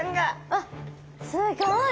あっすごい！